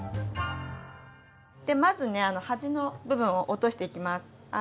まずね端の部分を落としていきます。